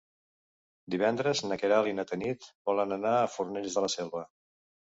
Divendres na Queralt i na Tanit volen anar a Fornells de la Selva.